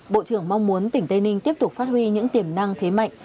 bộ trưởng mong muốn tỉnh tây ninh tiếp tục phát huy những tiềm năng thế mạnh